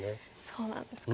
そうなんですか。